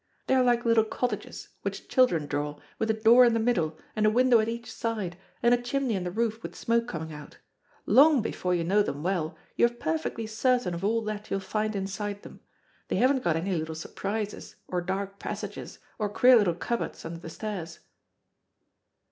They are like little cottages, which children draw, with a door in the middle, and a window at each side, and a chimney in the roof with smoke coming out. Long before you know them well, you are perfectly certain of all that you will find inside them. They haven't got any little surprises, or dark passages, or queer little cupboards under the stairs."